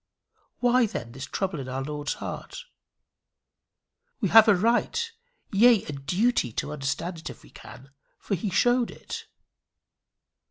Why, then, this trouble in our Lord's heart? We have a right, yea, a duty, to understand it if we can, for he showed it.